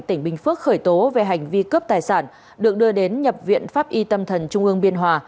tỉnh bình phước khởi tố về hành vi cướp tài sản được đưa đến nhập viện pháp y tâm thần trung ương biên hòa